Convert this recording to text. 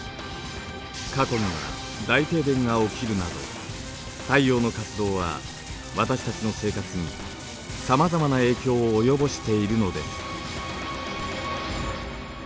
過去には大停電が起きるなど太陽の活動は私たちの生活にさまざまな影響を及ぼしているのです。